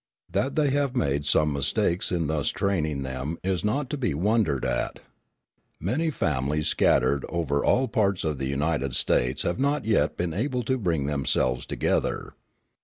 That they have made some mistakes in thus training them is not to be wondered at. Many families scattered over all parts of the United States have not yet been able to bring themselves together.